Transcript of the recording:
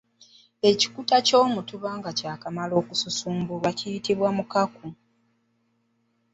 Ekikuta ky’omutuba nga kyamala okusubula kiyitibwa Mukaaku.